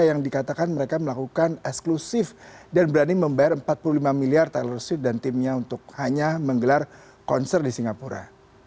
yang dikatakan mereka melakukan eksklusif dan berani membayar empat puluh lima miliar tellership dan timnya untuk hanya menggelar konser di singapura